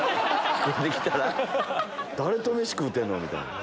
誰とメシ食うてんの？みたいな。